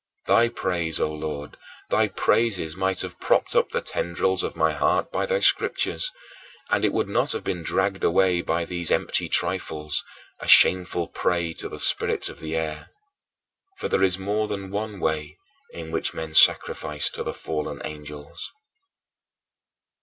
Thy praise, O Lord, thy praises might have propped up the tendrils of my heart by thy Scriptures; and it would not have been dragged away by these empty trifles, a shameful prey to the spirits of the air. For there is more than one way in which men sacrifice to the fallen angels.